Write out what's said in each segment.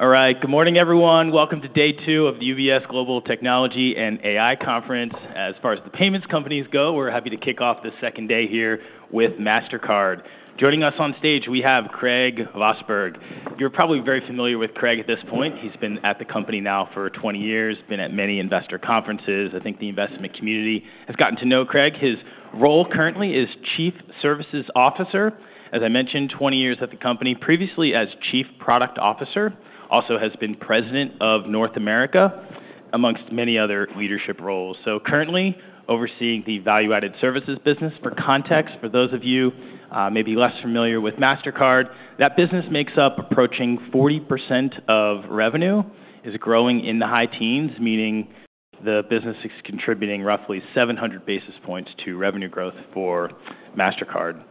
All right. Good morning, everyone. Welcome to day two of the UBS Global Technology and AI Conference. As far as the payments companies go, we're happy to kick off the second day here with Mastercard. Joining us on stage, we have Craig Vosburg. You're probably very familiar with Craig at this point. He's been at the company now for 20 years, been at many investor conferences. I think the investment community has gotten to know Craig. His role currently is Chief Services Officer. As I mentioned, 20 years at the company, previously as Chief Product Officer. Also has been President of North America, amongst many other leadership roles. Currently overseeing the value-added services business. For context, for those of you maybe less familiar with Mastercard, that business makes up approaching 40% of revenue, is growing in the high teens, meaning the business is contributing roughly 700 basis points to revenue growth for Mastercard.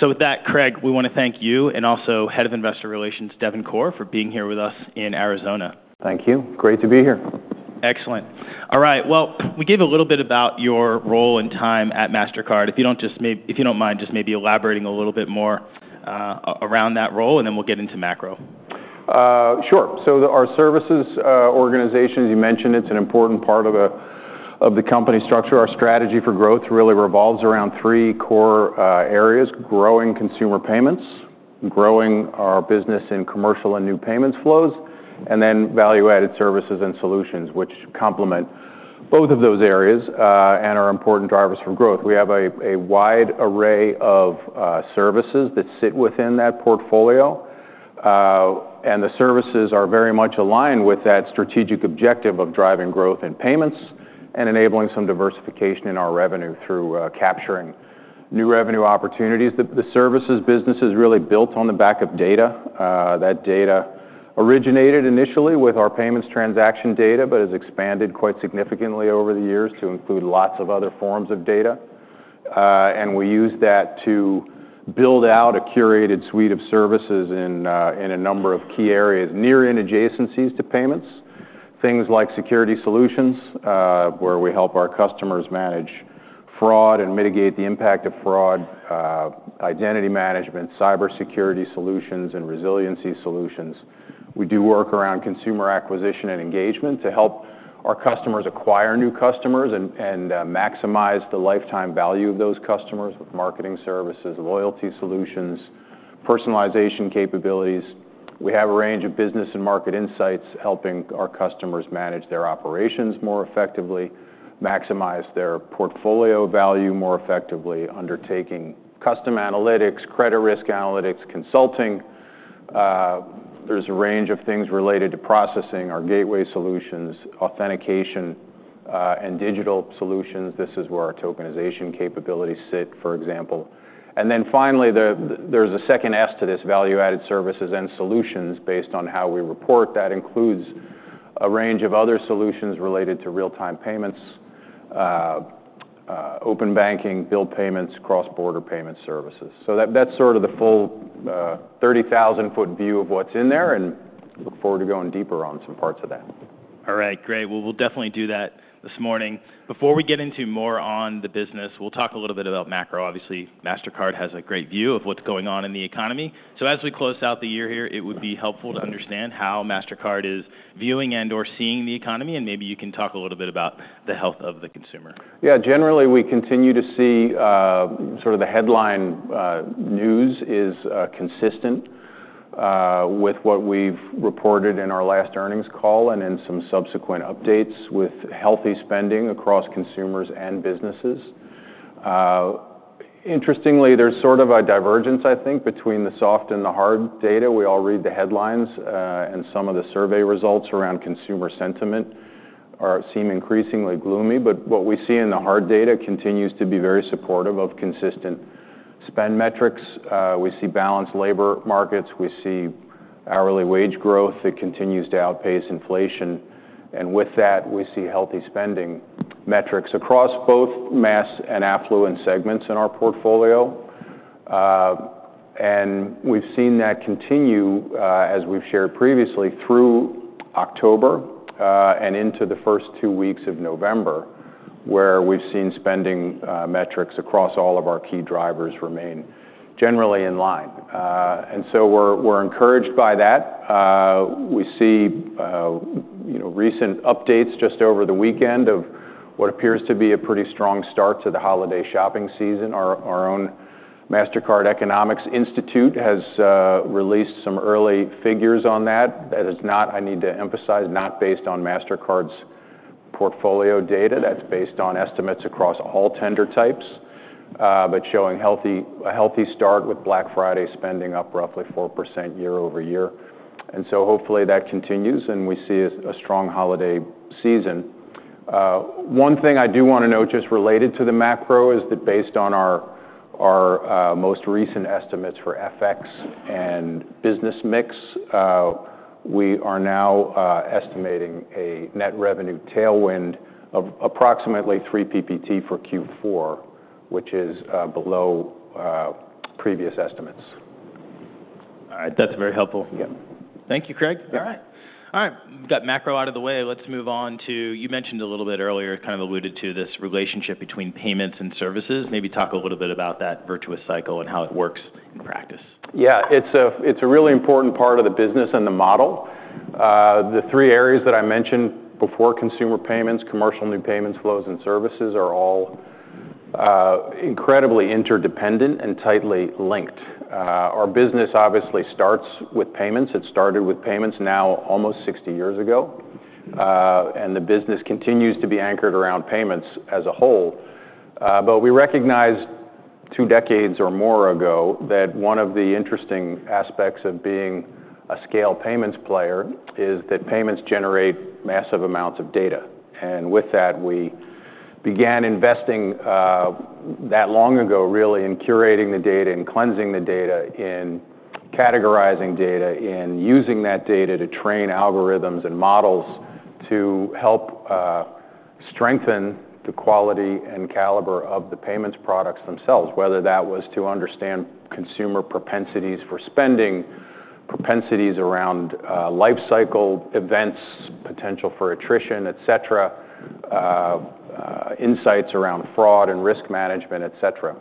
With that, Craig, we want to thank you and also Head of Investor Relations, Devin Corr, for being here with us in Arizona. Thank you. Great to be here. Excellent. All right. We gave a little bit about your role and time at Mastercard. If you don't mind, just maybe elaborating a little bit more around that role, and then we'll get into macro. Sure. Our services organization, as you mentioned, it's an important part of the company structure. Our strategy for growth really revolves around three core areas: growing consumer payments, growing our business in commercial and new payments flows, and then value-added services and solutions, which complement both of those areas and are important drivers for growth. We have a wide array of services that sit within that portfolio, and the services are very much aligned with that strategic objective of driving growth in payments and enabling some diversification in our revenue through capturing new revenue opportunities. The services business is really built on the back of data. That data originated initially with our payments transaction data, but has expanded quite significantly over the years to include lots of other forms of data. We use that to build out a curated suite of services in a number of key areas near in adjacencies to payments, things like security solutions, where we help our customers manage fraud and mitigate the impact of fraud, identity management, cybersecurity solutions, and resiliency solutions. We do work around consumer acquisition and engagement to help our customers acquire new customers and maximize the lifetime value of those customers with marketing services, loyalty solutions, personalization capabilities. We have a range of business and market insights helping our customers manage their operations more effectively, maximize their portfolio value more effectively, undertaking custom analytics, credit risk analytics, consulting. There is a range of things related to processing, our gateway solutions, authentication, and digital solutions. This is where our tokenization capabilities sit, for example. Finally, there is a second S to this: value-added services and solutions based on how we report. That includes a range of other solutions related to real-time payments, open banking, bill payments, cross-border payment services. That is sort of the full 30,000-foot view of what is in there, and look forward to going deeper on some parts of that. All right. Great. We'll definitely do that this morning. Before we get into more on the business, we'll talk a little bit about macro. Obviously, Mastercard has a great view of what's going on in the economy. As we close out the year here, it would be helpful to understand how Mastercard is viewing and/or seeing the economy, and maybe you can talk a little bit about the health of the consumer. Yeah. Generally, we continue to see sort of the headline news is consistent with what we've reported in our last earnings call and in some subsequent updates with healthy spending across consumers and businesses. Interestingly, there's sort of a divergence, I think, between the soft and the hard data. We all read the headlines, and some of the survey results around consumer sentiment seem increasingly gloomy. What we see in the hard data continues to be very supportive of consistent spend metrics. We see balanced labor markets. We see hourly wage growth. It continues to outpace inflation. With that, we see healthy spending metrics across both mass and affluent segments in our portfolio. We've seen that continue, as we've shared previously, through October and into the first two weeks of November, where we've seen spending metrics across all of our key drivers remain generally in line. We're encouraged by that. We see recent updates just over the weekend of what appears to be a pretty strong start to the holiday shopping season. Our own Mastercard Economics Institute has released some early figures on that. That is not, I need to emphasize, not based on Mastercard's portfolio data. That's based on estimates across all tender types, but showing a healthy start with Black Friday spending up roughly 4% year over year. Hopefully that continues, and we see a strong holiday season. One thing I do want to note just related to the macro is that based on our most recent estimates for FX and business mix, we are now estimating a net revenue tailwind of approximately 3 percentage points for Q4, which is below previous estimates. All right. That's very helpful. Yeah. Thank you, Craig. All right. All right. We've got macro out of the way. Let's move on to, you mentioned a little bit earlier, kind of alluded to this relationship between payments and services. Maybe talk a little bit about that virtuous cycle and how it works in practice. Yeah. It's a really important part of the business and the model. The three areas that I mentioned before: consumer payments, commercial new payments, flows, and services are all incredibly interdependent and tightly linked. Our business obviously starts with payments. It started with payments now almost 60 years ago, and the business continues to be anchored around payments as a whole. We recognized two decades or more ago that one of the interesting aspects of being a scale payments player is that payments generate massive amounts of data. With that, we began investing that long ago, really, in curating the data, in cleansing the data, in categorizing data, in using that data to train algorithms and models to help strengthen the quality and caliber of the payments products themselves, whether that was to understand consumer propensities for spending, propensities around life cycle events, potential for attrition, et cetera, insights around fraud and risk management, et cetera.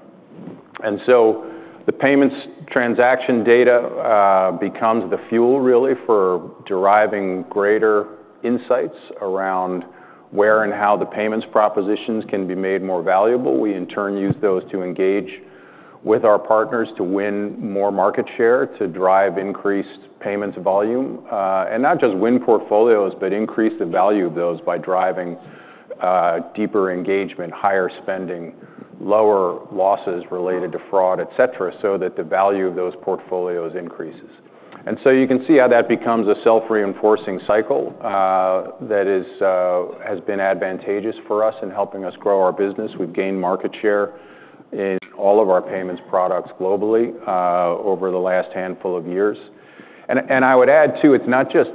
The payments transaction data becomes the fuel, really, for deriving greater insights around where and how the payments propositions can be made more valuable. We, in turn, use those to engage with our partners to win more market share, to drive increased payments volume, and not just win portfolios, but increase the value of those by driving deeper engagement, higher spending, lower losses related to fraud, et cetera, so that the value of those portfolios increases. You can see how that becomes a self-reinforcing cycle that has been advantageous for us in helping us grow our business. We have gained market share in all of our payments products globally over the last handful of years. I would add, too, it is not just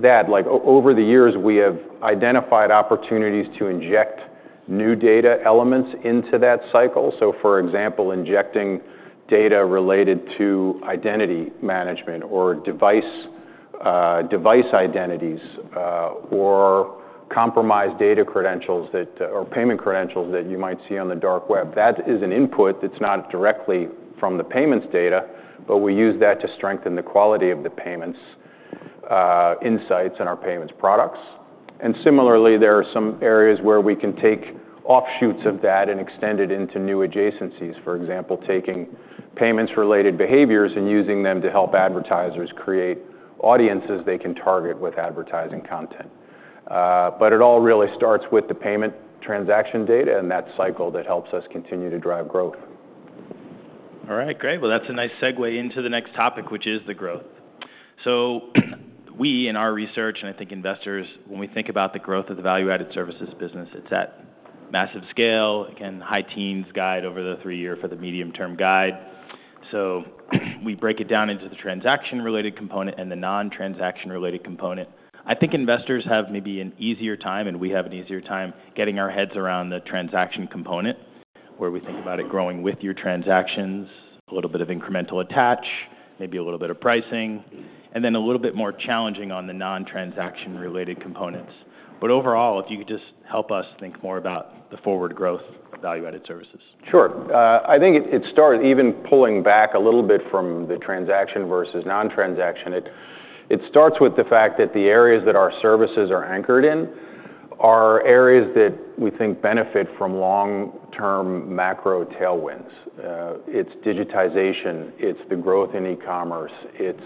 that. Over the years, we have identified opportunities to inject new data elements into that cycle. For example, injecting data related to identity management or device identities or compromised data credentials or payment credentials that you might see on the dark web. That is an input that is not directly from the payments data, but we use that to strengthen the quality of the payments insights in our payments products. Similarly, there are some areas where we can take offshoots of that and extend it into new adjacencies, for example, taking payments-related behaviors and using them to help advertisers create audiences they can target with advertising content. It all really starts with the payment transaction data and that cycle that helps us continue to drive growth. All right. Great. That is a nice segue into the next topic, which is the growth. In our research, and I think investors, when we think about the growth of the value-added services business, it is at massive scale. Again, high teens guide over the three-year for the medium-term guide. We break it down into the transaction-related component and the non-transaction-related component. I think investors have maybe an easier time, and we have an easier time, getting our heads around the transaction component, where we think about it growing with your transactions, a little bit of incremental attach, maybe a little bit of pricing, and then a little bit more challenging on the non-transaction-related components. Overall, if you could just help us think more about the forward growth of value-added services. Sure. I think it starts, even pulling back a little bit from the transaction versus non-transaction, it starts with the fact that the areas that our services are anchored in are areas that we think benefit from long-term macro tailwinds. It is digitization. It is the growth in e-commerce. It is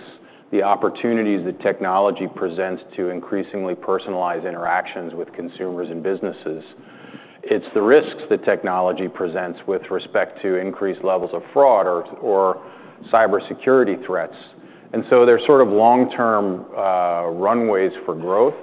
the opportunities that technology presents to increasingly personalized interactions with consumers and businesses. It is the risks that technology presents with respect to increased levels of fraud or cybersecurity threats. There are sort of long-term runways for growth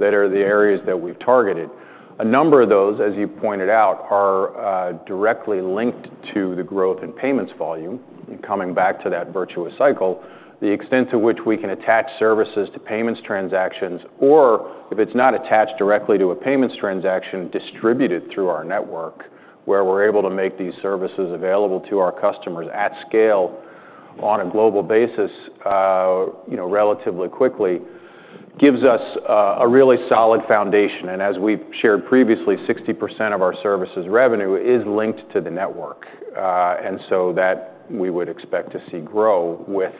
that are the areas that we have targeted. A number of those, as you pointed out, are directly linked to the growth in payments volume, coming back to that virtuous cycle, the extent to which we can attach services to payments transactions, or if it's not attached directly to a payments transaction distributed through our network, where we're able to make these services available to our customers at scale on a global basis relatively quickly, gives us a really solid foundation. As we've shared previously, 60% of our services revenue is linked to the network. We would expect to see that grow with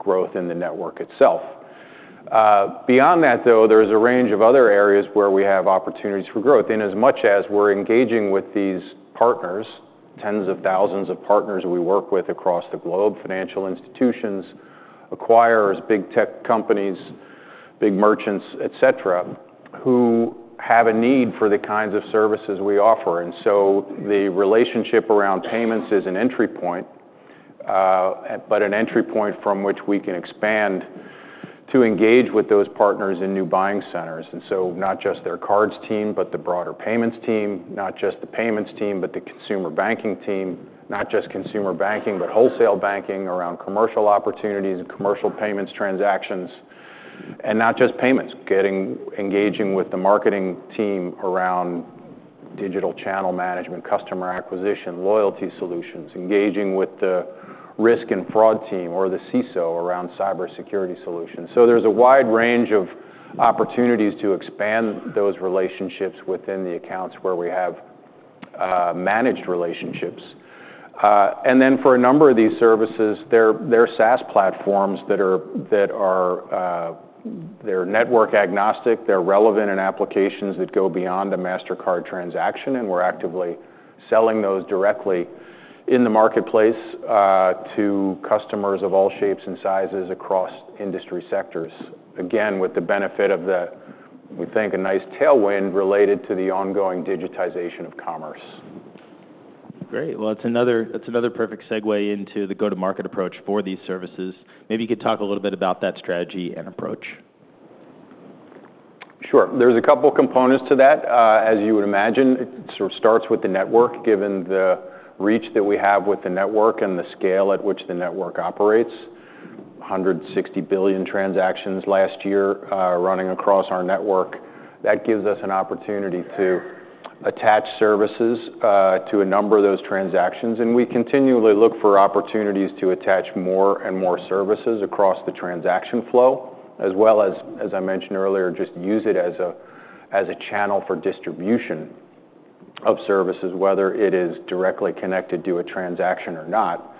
growth in the network itself. Beyond that, though, there is a range of other areas where we have opportunities for growth. As much as we're engaging with these partners, tens of thousands of partners we work with across the globe, financial institutions, acquirers, big tech companies, big merchants, et cetera, who have a need for the kinds of services we offer. The relationship around payments is an entry point, but an entry point from which we can expand to engage with those partners in new buying centers. Not just their cards team, but the broader payments team, not just the payments team, but the consumer banking team, not just consumer banking, but wholesale banking around commercial opportunities and commercial payments transactions, and not just payments, engaging with the marketing team around digital channel management, customer acquisition, loyalty solutions, engaging with the risk and fraud team or the CISO around cybersecurity solutions. There is a wide range of opportunities to expand those relationships within the accounts where we have managed relationships. Then for a number of these services, there are SaaS platforms that are network agnostic. They are relevant in applications that go beyond the Mastercard transaction, and we are actively selling those directly in the marketplace to customers of all shapes and sizes across industry sectors, again, with the benefit of, we think, a nice tailwind related to the ongoing digitization of commerce. Great. That is another perfect segue into the go-to-market approach for these services. Maybe you could talk a little bit about that strategy and approach. Sure. There's a couple of components to that. As you would imagine, it sort of starts with the network, given the reach that we have with the network and the scale at which the network operates. 160 billion transactions last year running across our network. That gives us an opportunity to attach services to a number of those transactions. We continually look for opportunities to attach more and more services across the transaction flow, as well as, as I mentioned earlier, just use it as a channel for distribution of services, whether it is directly connected to a transaction or not.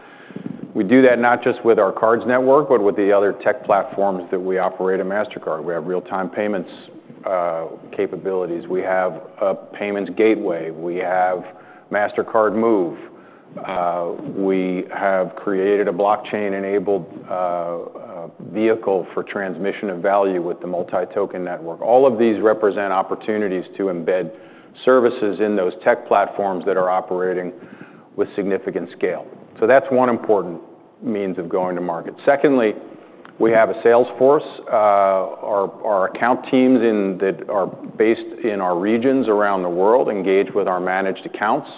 We do that not just with our cards network, but with the other tech platforms that we operate at Mastercard. We have real-time payments capabilities. We have a payments gateway. We have Mastercard Move. We have created a blockchain-enabled vehicle for transmission of value with the Multi-Token Network. All of these represent opportunities to embed services in those tech platforms that are operating with significant scale. That is one important means of going to market. Secondly, we have a sales force. Our account teams that are based in our regions around the world engage with our managed accounts.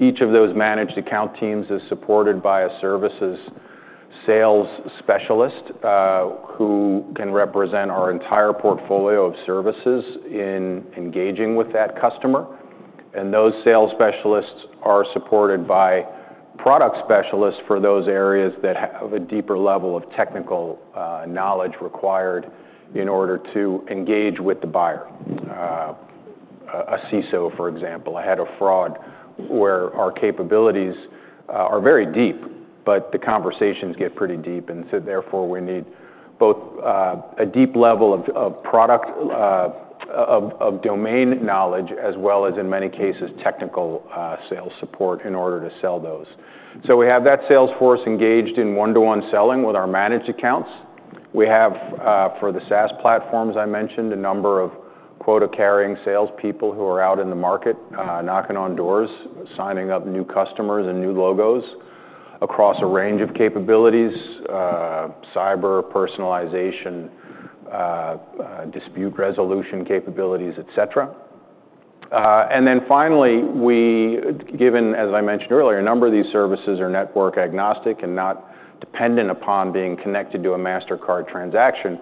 Each of those managed account teams is supported by a services sales specialist who can represent our entire portfolio of services in engaging with that customer. Those sales specialists are supported by product specialists for those areas that have a deeper level of technical knowledge required in order to engage with the buyer. A CISO, for example, a head of fraud, where our capabilities are very deep, but the conversations get pretty deep. Therefore, we need both a deep level of domain knowledge, as well as, in many cases, technical sales support in order to sell those. We have that sales force engaged in one-to-one selling with our managed accounts. We have, for the SaaS platforms I mentioned, a number of quota-carrying salespeople who are out in the market knocking on doors, signing up new customers and new logos across a range of capabilities: cyber, personalization, dispute resolution capabilities, et cetera. Finally, given, as I mentioned earlier, a number of these services are network agnostic and not dependent upon being connected to a Mastercard transaction,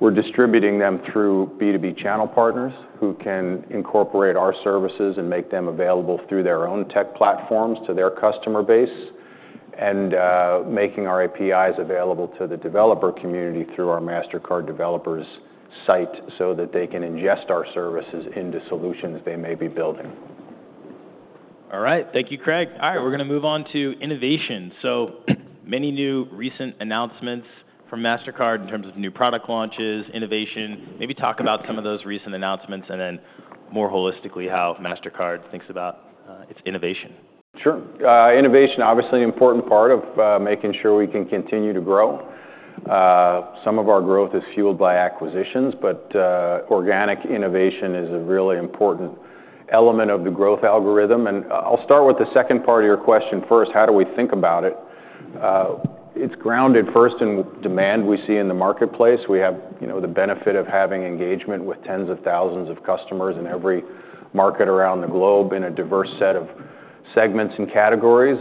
we're distributing them through B2B channel partners who can incorporate our services and make them available through their own tech platforms to their customer base and making our APIs available to the developer community through our Mastercard Developers site so that they can ingest our services into solutions they may be building. All right. Thank you, Craig. All right. We are going to move on to innovation. So many new recent announcements from Mastercard in terms of new product launches, innovation. Maybe talk about some of those recent announcements and then more holistically how Mastercard thinks about its innovation. Sure. Innovation, obviously, an important part of making sure we can continue to grow. Some of our growth is fueled by acquisitions, but organic innovation is a really important element of the growth algorithm. I'll start with the second part of your question first. How do we think about it? It's grounded first in demand we see in the marketplace. We have the benefit of having engagement with tens of thousands of customers in every market around the globe in a diverse set of segments and categories.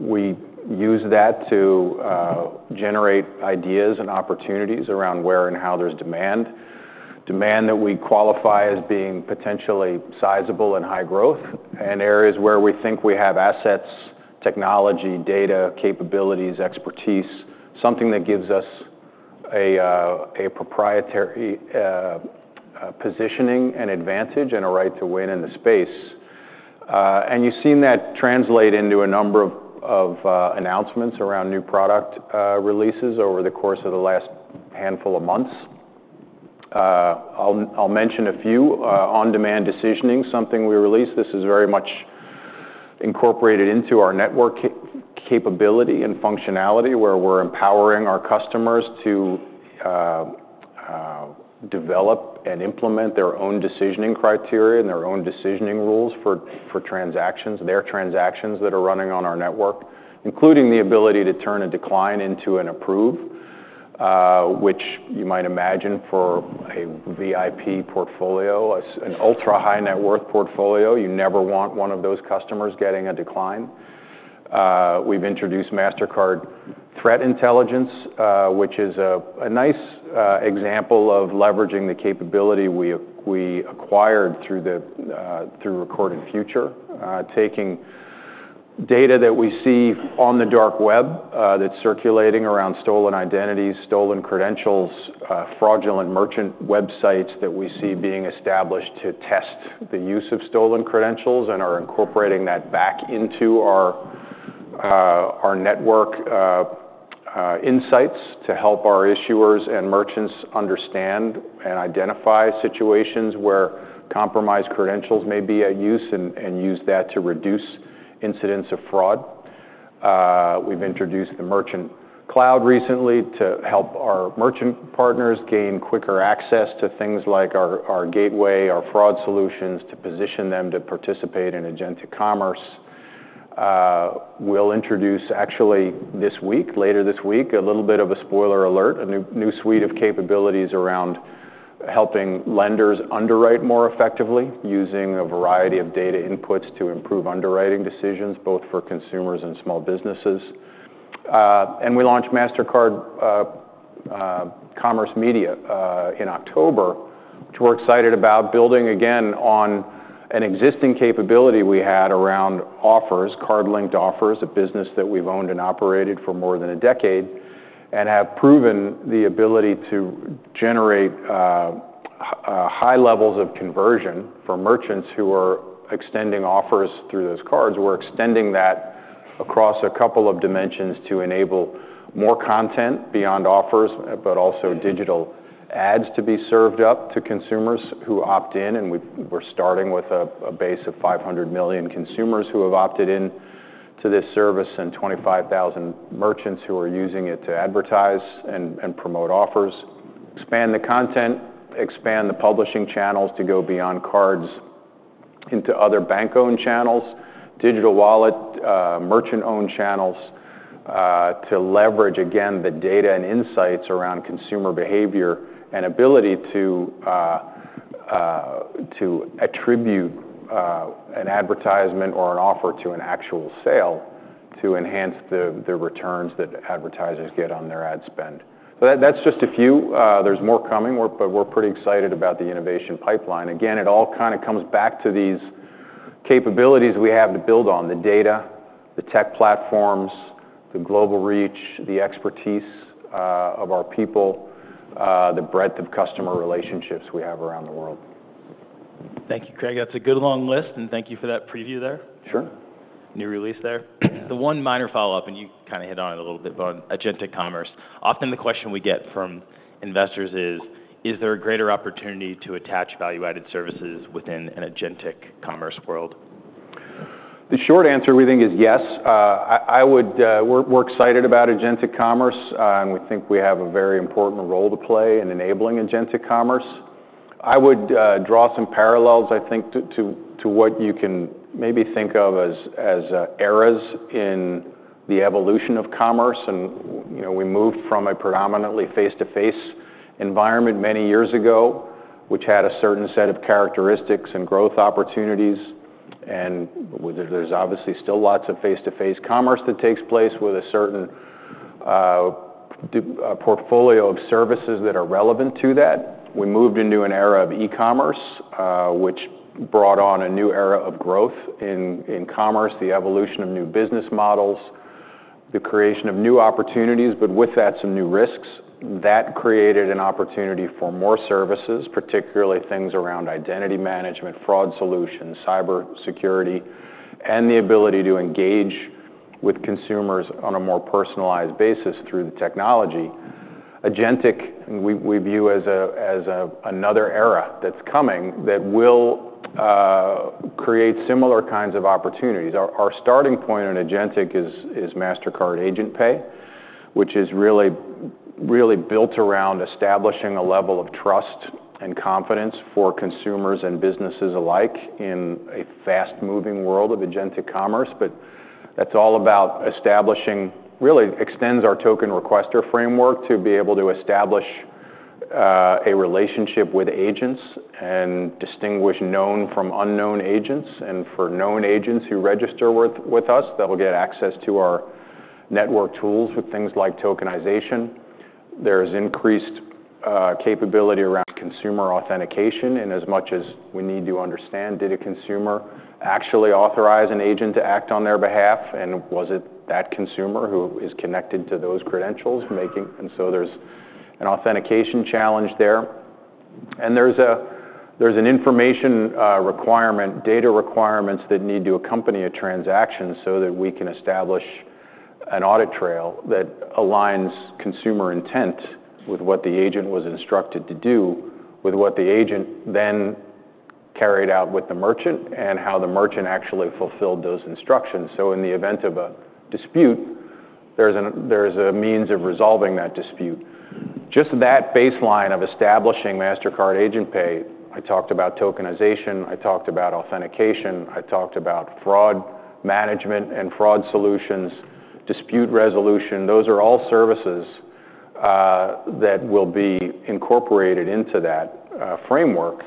We use that to generate ideas and opportunities around where and how there's demand, demand that we qualify as being potentially sizable and high growth, and areas where we think we have assets, technology, data, capabilities, expertise, something that gives us a proprietary positioning and advantage and a right to win in the space. You've seen that translate into a number of announcements around new product releases over the course of the last handful of months. I'll mention a few. On-demand decisioning, something we released. This is very much incorporated into our network capability and functionality, where we're empowering our customers to develop and implement their own decisioning criteria and their own decisioning rules for transactions, their transactions that are running on our network, including the ability to turn a decline into an approve, which you might imagine for a VIP portfolio, an ultra-high net worth portfolio. You never want one of those customers getting a decline. We've introduced Mastercard Threat Intelligence, which is a nice example of leveraging the capability we acquired through Recorded Future, taking data that we see on the dark web that's circulating around stolen identities, stolen credentials, fraudulent merchant websites that we see being established to test the use of stolen credentials, and are incorporating that back into our network insights to help our issuers and merchants understand and identify situations where compromised credentials may be at use and use that to reduce incidents of fraud. We've introduced the Merchant Cloud recently to help our merchant partners gain quicker access to things like our gateway, our fraud solutions, to position them to participate in agentic commerce. We'll introduce, actually, this week, later this week, a little bit of a spoiler alert, a new suite of capabilities around helping lenders underwrite more effectively using a variety of data inputs to improve underwriting decisions, both for consumers and small businesses. We launched Mastercard Commerce Media in October, which we're excited about building, again, on an existing capability we had around offers, card-linked offers, a business that we've owned and operated for more than a decade, and have proven the ability to generate high levels of conversion for merchants who are extending offers through those cards. We're extending that across a couple of dimensions to enable more content beyond offers, but also digital ads to be served up to consumers who opt in. We're starting with a base of 500 million consumers who have opted in to this service and 25,000 merchants who are using it to advertise and promote offers. Expand the content, expand the publishing channels to go beyond cards into other bank-owned channels, digital wallet, merchant-owned channels to leverage, again, the data and insights around consumer behavior and ability to attribute an advertisement or an offer to an actual sale to enhance the returns that advertisers get on their ad spend. That's just a few. There's more coming, but we're pretty excited about the innovation pipeline. Again, it all kind of comes back to these capabilities we have to build on: the data, the tech platforms, the global reach, the expertise of our people, the breadth of customer relationships we have around the world. Thank you, Craig. That is a good long list. Thank you for that preview there. Sure. New release there. The one minor follow-up, and you kind of hit on it a little bit, but on agentic commerce, often the question we get from investors is, is there a greater opportunity to attach value-added services within an agentic commerce world? The short answer, we think, is yes. We're excited about agentic commerce, and we think we have a very important role to play in enabling agentic commerce. I would draw some parallels, I think, to what you can maybe think of as eras in the evolution of commerce. We moved from a predominantly face-to-face environment many years ago, which had a certain set of characteristics and growth opportunities. There's obviously still lots of face-to-face commerce that takes place with a certain portfolio of services that are relevant to that. We moved into an era of e-commerce, which brought on a new era of growth in commerce, the evolution of new business models, the creation of new opportunities, but with that, some new risks. That created an opportunity for more services, particularly things around identity management, fraud solutions, cybersecurity, and the ability to engage with consumers on a more personalized basis through the technology. Agentic, we view as another era that's coming that will create similar kinds of opportunities. Our starting point in agentic is Mastercard Agent Pay, which is really built around establishing a level of trust and confidence for consumers and businesses alike in a fast-moving world of agentic commerce. That's all about establishing, really extends our token requester framework to be able to establish a relationship with agents and distinguish known from unknown agents. For known agents who register with us, they'll get access to our network tools with things like tokenization. There's increased capability around consumer authentication. As much as we need to understand, did a consumer actually authorize an agent to act on their behalf? Was it that consumer who is connected to those credentials? There is an authentication challenge there. There is an information requirement, data requirements that need to accompany a transaction so that we can establish an audit trail that aligns consumer intent with what the agent was instructed to do, with what the agent then carried out with the merchant, and how the merchant actually fulfilled those instructions. In the event of a dispute, there is a means of resolving that dispute. Just that baseline of establishing Mastercard Agent Pay, I talked about tokenization, I talked about authentication, I talked about fraud management and fraud solutions, dispute resolution. Those are all services that will be incorporated into that framework.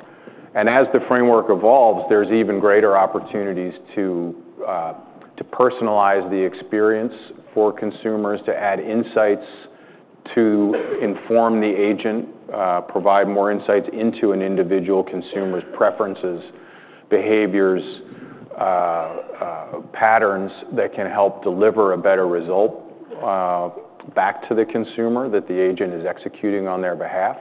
As the framework evolves, there are even greater opportunities to personalize the experience for consumers, to add insights, to inform the agent, provide more insights into an individual consumer's preferences, behaviors, patterns that can help deliver a better result back to the consumer that the agent is executing on their behalf,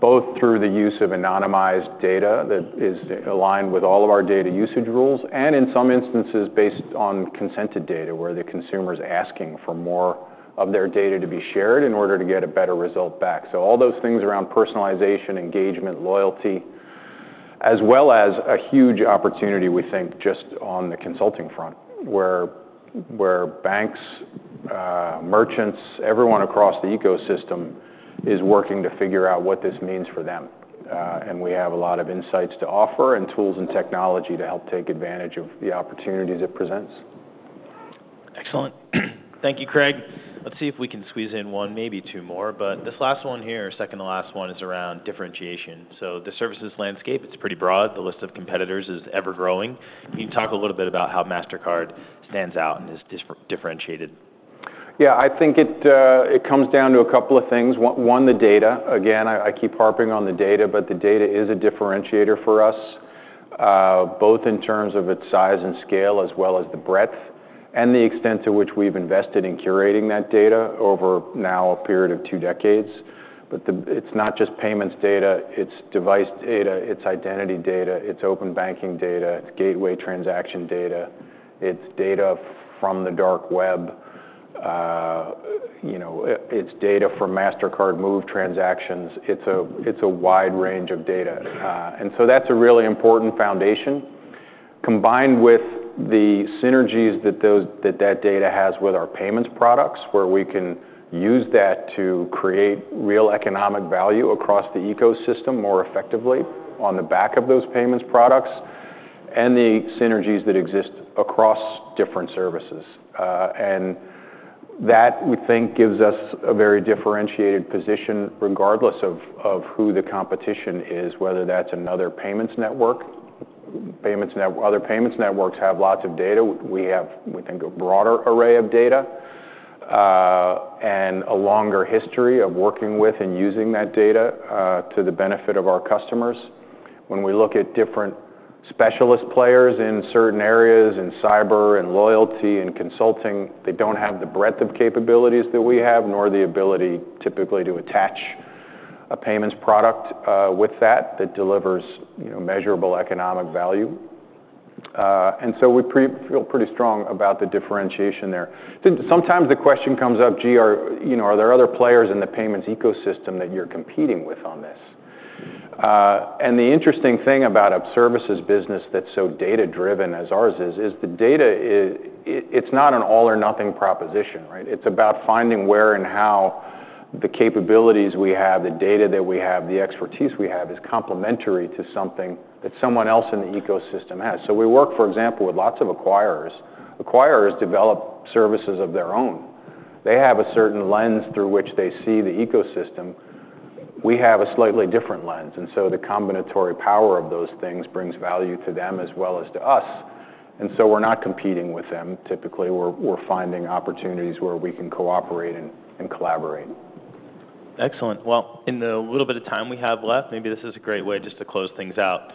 both through the use of anonymized data that is aligned with all of our data usage rules, and in some instances based on consented data where the consumer is asking for more of their data to be shared in order to get a better result back. All those things around personalization, engagement, loyalty, as well as a huge opportunity, we think, just on the consulting front, where banks, merchants, everyone across the ecosystem is working to figure out what this means for them. We have a lot of insights to offer and tools and technology to help take advantage of the opportunities it presents. Excellent. Thank you, Craig. Let's see if we can squeeze in one, maybe two more. This last one here, second to last one, is around differentiation. The services landscape, it's pretty broad. The list of competitors is ever-growing. Can you talk a little bit about how Mastercard stands out and is differentiated? Yeah. I think it comes down to a couple of things. One, the data. Again, I keep harping on the data, but the data is a differentiator for us, both in terms of its size and scale, as well as the breadth and the extent to which we've invested in curating that data over now a period of two decades. It is not just payments data. It is device data. It is identity data. It is open banking data. It is gateway transaction data. It is data from the dark web. It is data from Mastercard Move transactions. It is a wide range of data. That is a really important foundation, combined with the synergies that that data has with our payments products, where we can use that to create real economic value across the ecosystem more effectively on the back of those payments products and the synergies that exist across different services. That, we think, gives us a very differentiated position regardless of who the competition is, whether that's another payments network. Other payments networks have lots of data. We have, we think, a broader array of data and a longer history of working with and using that data to the benefit of our customers. When we look at different specialist players in certain areas, in cyber and loyalty and consulting, they do not have the breadth of capabilities that we have, nor the ability typically to attach a payments product with that that delivers measurable economic value. We feel pretty strong about the differentiation there. Sometimes the question comes up, "Gee, are there other players in the payments ecosystem that you're competing with on this?" The interesting thing about a services business that's so data-driven as ours is the data, it's not an all-or-nothing proposition, right? It's about finding where and how the capabilities we have, the data that we have, the expertise we have is complementary to something that someone else in the ecosystem has. We work, for example, with lots of acquirers. Acquirers develop services of their own. They have a certain lens through which they see the ecosystem. We have a slightly different lens. The combinatory power of those things brings value to them as well as to us. We're not competing with them. Typically, we're finding opportunities where we can cooperate and collaborate. Excellent. In the little bit of time we have left, maybe this is a great way just to close things out.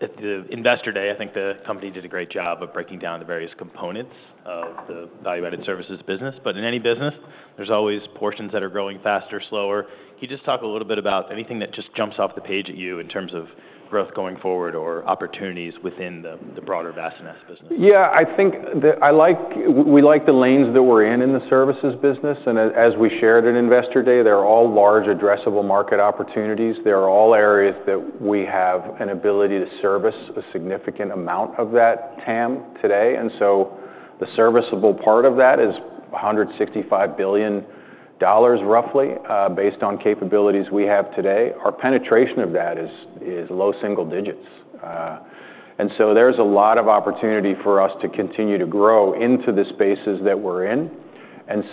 At the investor day, I think the company did a great job of breaking down the various components of the value-added services business. In any business, there's always portions that are growing faster, slower. Can you just talk a little bit about anything that just jumps off the page at you in terms of growth going forward or opportunities within the broader value-added services business? Yeah. I think we like the lanes that we're in in the services business. As we shared at investor day, they're all large addressable market opportunities. They're all areas that we have an ability to service a significant amount of that TAM today. The serviceable part of that is $165 billion, roughly, based on capabilities we have today. Our penetration of that is low single digits. There's a lot of opportunity for us to continue to grow into the spaces that we're in.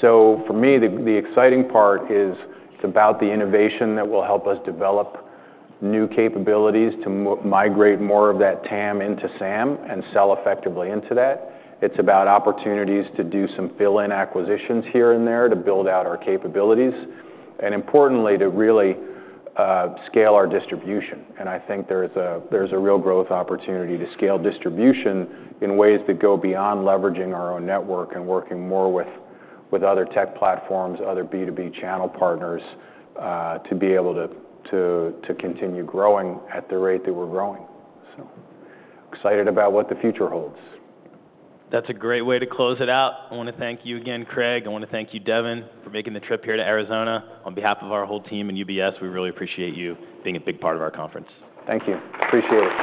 For me, the exciting part is it's about the innovation that will help us develop new capabilities to migrate more of that TAM into SAM and sell effectively into that. It's about opportunities to do some fill-in acquisitions here and there to build out our capabilities and, importantly, to really scale our distribution. I think there is a real growth opportunity to scale distribution in ways that go beyond leveraging our own network and working more with other tech platforms, other B2B channel partners to be able to continue growing at the rate that we are growing. Excited about what the future holds. That's a great way to close it out. I want to thank you again, Craig. I want to thank you, Devin, for making the trip here to Arizona. On behalf of our whole team and UBS, we really appreciate you being a big part of our conference. Thank you. Appreciate it.